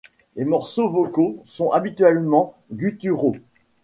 Les morceaux vocaux sont habituellement gutturaux.